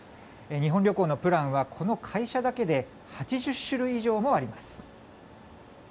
日本旅行のプランはこの会社だけで８０種類以上もあります。